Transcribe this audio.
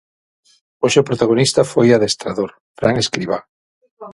Hoxe o protagonista foi o adestrador, Fran Escribá.